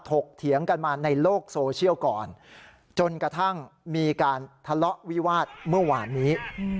เถียงกันมาในโลกโซเชียลก่อนจนกระทั่งมีการทะเลาะวิวาสเมื่อวานนี้